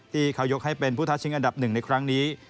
ที่เขายกให้เป็นผู้ท้าชิงอันดับหนึ่งในครั้งนี้